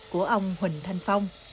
của ông huỳnh thanh phong